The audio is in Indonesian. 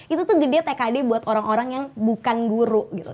itu tuh gede tkd buat orang orang yang bukan guru gitu